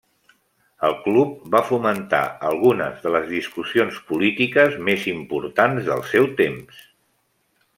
El club va fomentar algunes de les discussions polítiques més importants del seu temps.